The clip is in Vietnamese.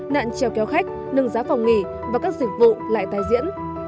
nạn trèo kéo khách nâng giá phòng nghỉ và các dịch vụ lại tái diễn